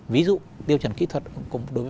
ví dụ tiêu chuẩn kỹ thuật cũng đối với